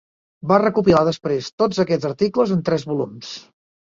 Va recopilar després tots aquests articles en tres volums.